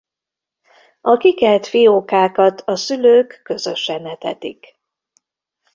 A kikelt fiókákat a szülők közösen etetik.